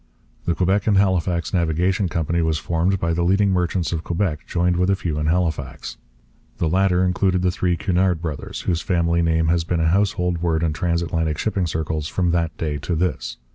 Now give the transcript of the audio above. The Quebec and Halifax Navigation Company was formed by the leading merchants of Quebec joined with a few in Halifax. The latter included the three Cunard brothers, whose family name has been a household word in transatlantic shipping circles from that day to this.